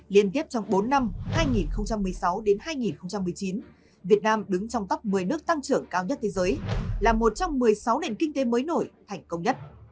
liên tiếp trong bốn năm việt nam đứng trong top một mươi nước tăng trưởng cao nhất thế giới là một trong một mươi sáu nền kinh tế mới nổi thành công nhất